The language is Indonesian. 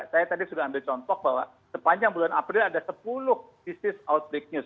saya tadi sudah ambil contoh bahwa sepanjang bulan april ada sepuluh disease outbreak news